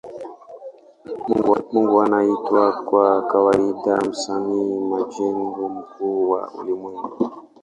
Mungu anaitwa kwa kawaida Msanii majengo mkuu wa ulimwengu.